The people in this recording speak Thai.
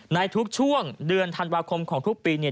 ในทุกช่วงเดือนธันวาคมของทุกปีเนี่ย